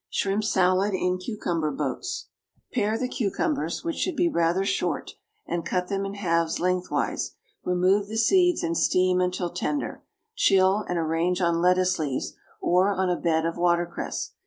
=Shrimp Salad in Cucumber Boats.= Pare the cucumbers, which should be rather short, and cut them in halves lengthwise; remove the seeds and steam until tender; chill, and arrange on lettuce leaves, or on a bed of watercress.